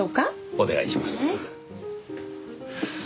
お願いします。